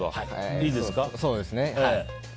いいですか。